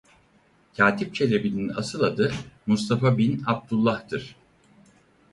Kâtip Çelebi'nin asıl adı Mustafa bin Abdullah'tır.